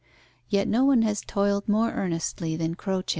Yet no one has toiled more earnestly than Croce.